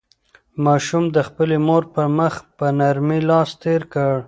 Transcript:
ماشوم د خپلې مور په مخ په نرمۍ لاس تېر کړ.